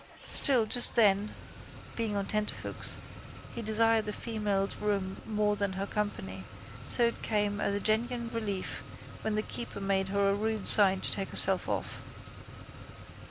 Still just then, being on tenterhooks, he desired the female's room more than her company so it came as a genuine relief when the keeper made her a rude sign to take herself off.